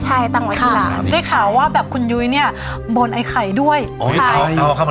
ใช่ตั้งมาที่ร้านได้ข่าวว่าแบบคุณยุ้ยเนี้ยบนไอไข่ด้วยโอ้ยเขาเขา